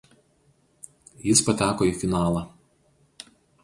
Jis pateko į finalą.